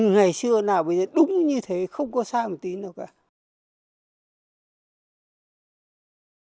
ngày xưa nào bây giờ đúng như thế không có xa một tí nào cả